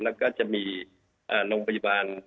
แล้วก็จะมีโรงพยาบาล